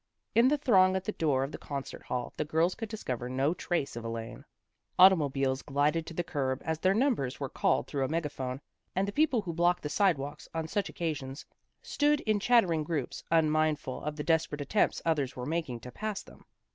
" In the throng at the door of the concert hall, the girls could discover no trace of Elaine. Automobiles glided to the curb as their numbers were called through a megaphone, and the people who block the sidewalks on such oc casions, stood in chattering groups, unmind ful of the desperate attempts others were mak ing to pass them.